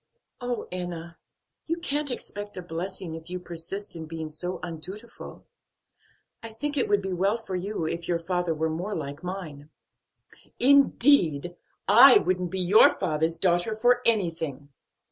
"Oh, Enna! you can't expect a blessing, if you persist in being so undutiful; I think it would be well for you if your father were more like mine." "Indeed! I wouldn't be your father's daughter for anything."